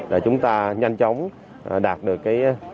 để chúng ta nhanh chóng đạt được